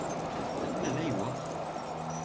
Alma d ayweq?